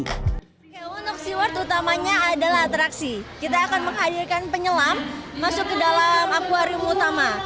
oke untuk seaworld utamanya adalah atraksi kita akan menghadirkan penyelam masuk ke dalam aquarium utama